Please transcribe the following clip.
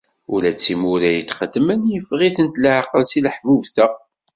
Ula d timura yetqeddmen yeffeɣ-itent leεqel si teḥbubt-a.